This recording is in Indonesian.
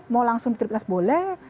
mau langsung di triptas boleh